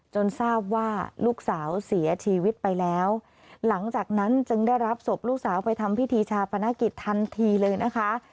ทราบว่าลูกสาวเสียชีวิตไปแล้วหลังจากนั้นจึงได้รับศพลูกสาวไปทำพิธีชาปนกิจทันทีเลยนะคะ